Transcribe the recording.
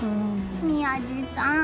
宮司さん